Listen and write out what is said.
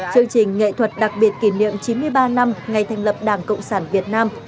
chương trình nghệ thuật đặc biệt kỷ niệm chín mươi ba năm ngày thành lập đảng cộng sản việt nam